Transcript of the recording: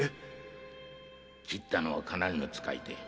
〔斬ったのはかなりの遣い手。